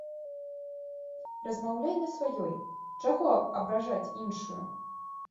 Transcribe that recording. Размаўляй на сваёй, чаго абражаць іншую?